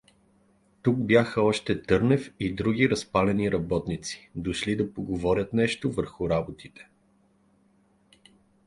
Тук бяха още Търнев и други разпалени работници, дошли да поговорят нещо върху работите.